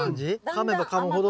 かめばかむほど。